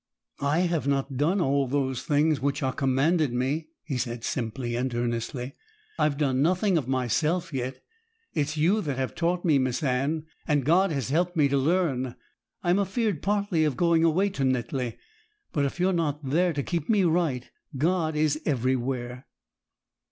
'I have not done all those things which are commanded me,' he said simply and earnestly; 'I've done nothing of myself yet. It's you that have taught me, Miss Anne; and God has helped me to learn. I'm afeared partly of going away to Netley; but if you're not there to keep me right, God is everywhere.'